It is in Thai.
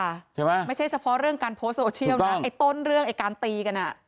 ใช่ไหมถูกต้องไม่ใช่เฉพาะเรื่องการโพสต์โซเชียลนะไอ้ต้นเรื่องไอ้การตีกันน่ะใช่ค่ะ